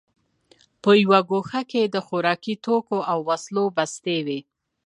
په یوه ګوښه کې د خوراکي توکو او وسلو بستې وې